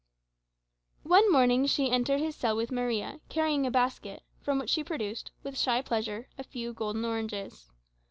One morning she entered his cell with Maria, carrying a basket, from which she produced, with shy pleasure, a few golden oranges.